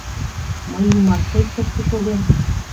Мый ӱмашсек тыште шогем.